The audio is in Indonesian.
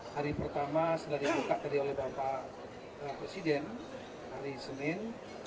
hari pertama sudah dibuka tadi oleh bapak presiden hari senin